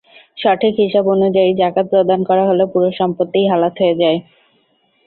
সঠিক হিসাব অনুযায়ী জাকাত প্রদান করা হলে পুরো সম্পত্তিই হালাল হয়ে যায়।